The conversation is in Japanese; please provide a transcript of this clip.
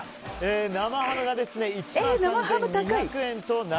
生ハムが１万３２００円。